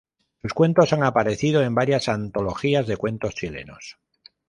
Sus cuentos han aparecido en varias antologías de cuentos chilenos.